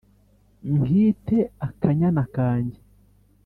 nkite akanyana kanjye